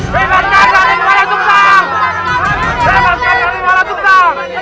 bebaskan raden walasukta